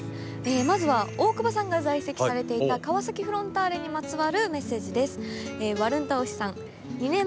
まずは大久保さんが在籍されていた川崎フロンターレにまつわるメッセージです。